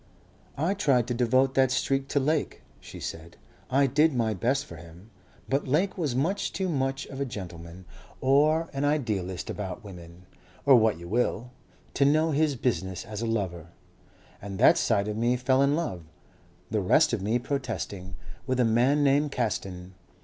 "I tried to devote that streak to Lake," she said. "I did my best for him. But Lake was much too much of a gentleman or an idealist about women, or what you will, to know his business as a lover. And that side of me fell in love, the rest of me protesting, with a man named Caston.